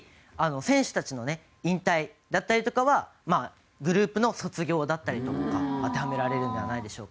選手たちのね引退だったりとかはグループの卒業だったりとか当てはめられるんではないでしょうか。